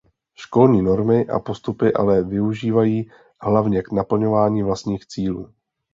Školní normy a postupy ale využívají hlavně k naplňování vlastních cílů.